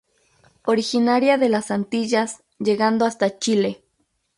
Originaria de las Antillas, llegando hasta Chile.